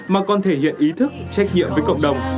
mà còn thể hiện ý thức trách nhiệm với cộng đồng